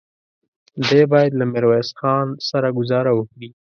دی بايد له ميرويس خان سره ګذاره وکړي.